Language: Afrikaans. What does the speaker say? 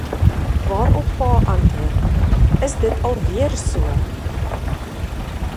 Waarop pa antwoord: “Is dit al weer so?"